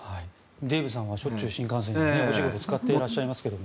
デーブさんはしょっちゅう新幹線お仕事で使っていますけど。